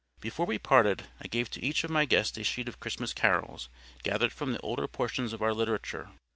Before we parted, I gave to each of my guests a sheet of Christmas Carols, gathered from the older portions of our literature.